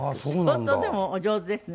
相当でもお上手ですね。